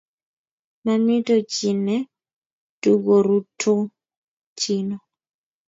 Mamito chii ne tukorutochino